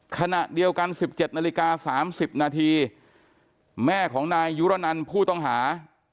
ขณะเดียวกัน๑๗นาฬิกา๓๐นาทีแม่ของนายยุรนันผู้ต้องหา